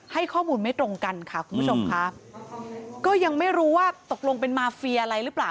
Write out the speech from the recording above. ให้ข้อมูลไม่ตรงกันค่ะคุณผู้ชมค่ะก็ยังไม่รู้ว่าตกลงเป็นมาเฟียอะไรหรือเปล่า